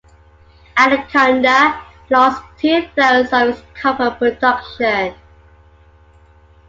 Anaconda lost two-thirds of its copper production.